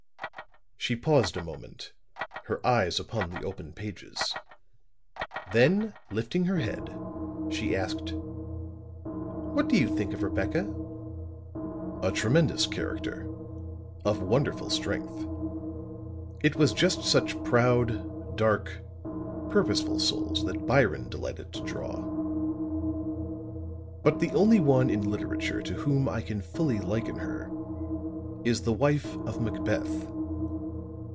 She paused a moment, her eyes upon the open pages; then lifting her head, she asked: "What do you think of Rebecca?" "A tremendous character of wonderful strength. It was just such proud, dark, purposeful souls that Byron delighted to draw; but the only one in literature to whom I can fully liken her is the wife of Macbeth.